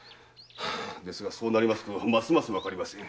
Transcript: ですがそうなりますとますますわかりません。